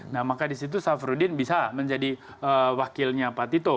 nah maka disitu safruddin bisa menjadi wakilnya pak tito